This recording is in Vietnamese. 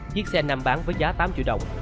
chiếc xe nam bán với giá tám triệu đồng